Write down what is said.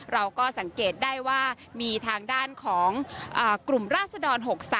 เราก็สังเกตได้ว่ามีทางด้านของกลุ่มราศดร๖๓